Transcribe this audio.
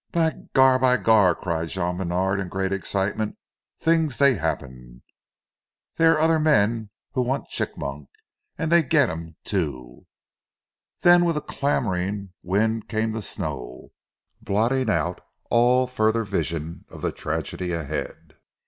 "By gar! By gar!" cried Jean Bènard in great excitement. "Tings dey happen. Dere are oder men who want Chigmok, an' dey get heem, too." Then with a clamouring wind came the snow, blotting out all further vision of the tragedy ahead.